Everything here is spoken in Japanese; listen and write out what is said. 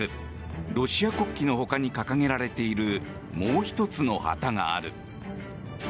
ロシア国旗のほかに掲げられているもう１つの旗がある。